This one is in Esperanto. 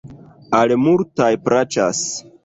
Al multaj plaĉas.